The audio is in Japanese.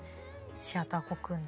シアターコクーンで。